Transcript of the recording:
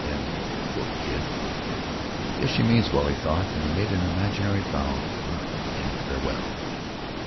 Then, "Poor kid; guess she means well," he thought, and made an imaginary bow to her in farewell.